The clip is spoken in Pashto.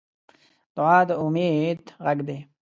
دعا د امید غږ دی.